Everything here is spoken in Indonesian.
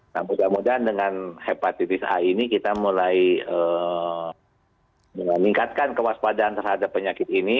nah mudah mudahan dengan hepatitis a ini kita mulai meningkatkan kewaspadaan terhadap penyakit ini